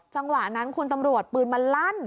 จังหวะนั้นคุณตำรวจปืนมันลั่น